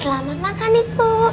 selamat makan ibu